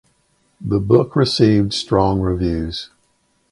The book received strong reviews.